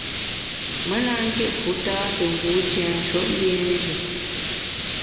Me na kit fu tâ te ngu tienshwuop liénjù.